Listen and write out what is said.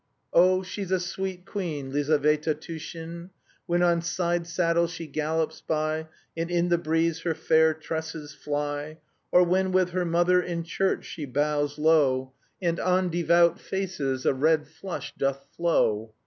"Oh, she's a sweet queen, Lizaveta Tushin! When on side saddle she gallops by, And in the breeze her fair tresses fly! Or when with her mother in church she bows low And on devout faces a red flush doth flow!